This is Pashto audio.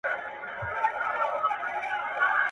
زلمي خپه دي څنګونه مړاوي